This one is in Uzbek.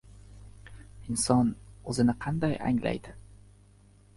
— Inson o‘zini qanday anglaydi?